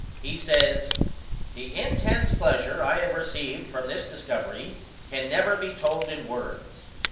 He says: "The intense pleasure I have received from this discovery can never be told in words.